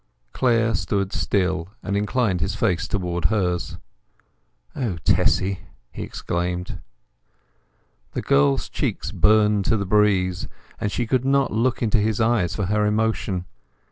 Clare stood still and inclinced his face towards hers. "O Tessy!" he exclaimed. The girl's cheeks burned to the breeze, and she could not look into his eyes for her emotion.